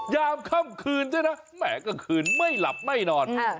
ยามค่ำคืนด้วยนะแหมกลางคืนไม่หลับไม่นอน